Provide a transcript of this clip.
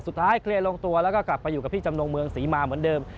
เคลียร์ลงตัวแล้วก็กลับไปอยู่กับพี่จำนงเมืองศรีมาเหมือนเดิม